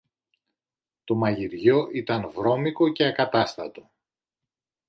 Το μαγειριό ήταν βρώμικο και ακατάστατο.